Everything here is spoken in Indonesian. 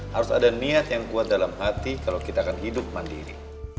harus ada niat yang kuat dalam hati kalau kita akan hidup mandiri